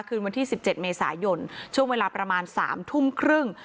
คืนวันที่๑๗เมษายนช่วงเวลาประมาณ๓ทุ่มครึ่ง